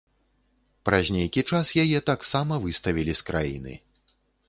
Праз нейкі час яе таксама выставілі з краіны.